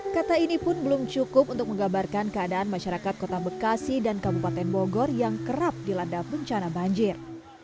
kata ini pun belum cukup untuk menggambarkan keadaan masyarakat kota bekasi dan kabupaten bogor yang kerap dilanda bencana banjir